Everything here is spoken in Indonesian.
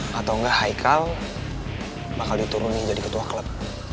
maka haikal bakal diturunkan jadi ketua klub